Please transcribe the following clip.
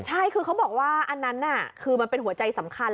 ใช่คือเขาบอกว่าอันนั้นคือมันเป็นหัวใจสำคัญ